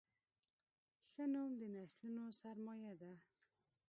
ښه نوم د نسلونو سرمایه ده.